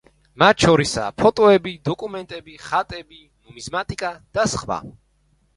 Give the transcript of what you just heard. მათ შორისაა ფოტოები, დოკუმენტები, ხატები, ნუმიზმატიკა და სხვა.